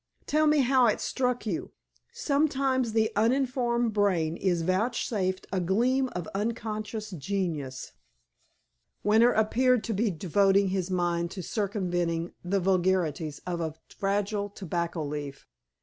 "Tell me how it struck you. Sometimes the uninformed brain is vouchsafed a gleam of unconscious genius." Winter appeared to be devoting his mind to circumventing the vagaries of a fragile tobacco leaf.